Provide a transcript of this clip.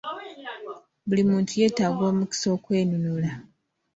Buli muntu yeetaaga omukisa okwenunula.